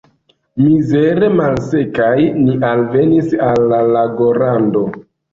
Mizere malsekaj ni alvenis al la lagorando.